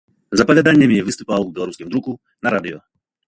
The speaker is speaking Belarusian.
З апавяданнямі выступаў у беларускім друку, на радыё.